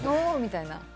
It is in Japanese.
みたいな。